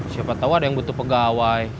siapa tahu ada yang butuh pegawai